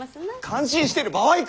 感心してる場合か！